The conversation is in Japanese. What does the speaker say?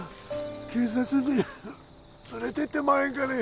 警察に連れてってもらえんかね